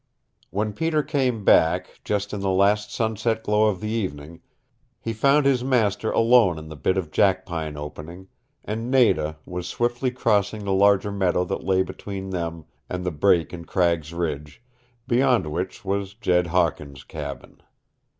When Peter came back, just in the last sunset glow of the evening, he found his master alone in the bit of jackpine opening, and Nada was swiftly crossing the larger meadow that lay between them and the break in Cragg's Ridge, beyond which was Jed Hawkins' cabin.